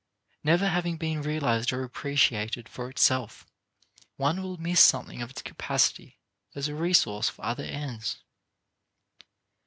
Never having been realized or appreciated for itself, one will miss something of its capacity as a resource for other ends.